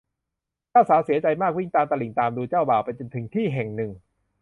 เจ้าสาวเสียใจมากวิ่งตามตลิ่งตามดูเจ้าบ่าวไปจนถึงที่แห่งหนึ่ง